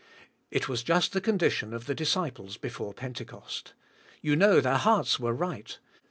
It was just the condition of the disciples before Pentecost. You know their hearts were right.